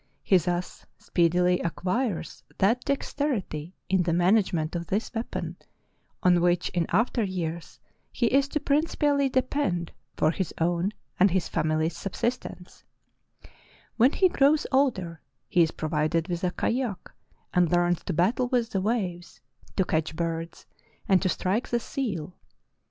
He thus speedily ac quires that dexterity in the management of his weapon on which in after years he is to principally depend for his own and his family's subsistence. When he grows H D X The Inult Survivors of the Stone Age 335 older he is provided with a kayak, and learns to battle with the waves, to catch birds, and to strike the seal.